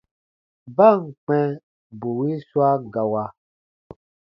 Ba ǹ kpɛ̃ bù wii swa gawa,